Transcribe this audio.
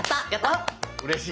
うれしい。